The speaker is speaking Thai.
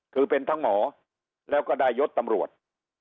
คือเป็นทั้งหมอแล้วก็ได้ยศตำรวจ